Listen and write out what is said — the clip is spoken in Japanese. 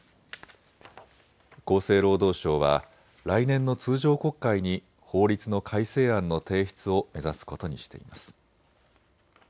厚生労働省は来年の通常国会に法律の改正案の提出を目指すことにしています。